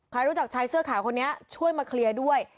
ใครรู้จักชายเสื้อขาวคนนี้ช่วยมาเคลียร์ด้วย